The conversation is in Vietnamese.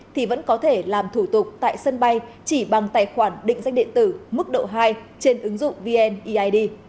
thì vẫn có thể làm thủ tục tại sân bay chỉ bằng tài khoản định danh điện tử mức độ hai trên ứng dụng vneid